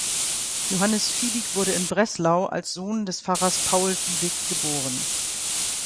Johannes Viebig wurde in Breslau als Sohn des Pfarrers Paul Viebig geboren.